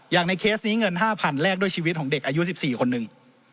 ในเคสนี้เงิน๕๐๐๐แรกด้วยชีวิตของเด็กอายุ๑๔คนหนึ่ง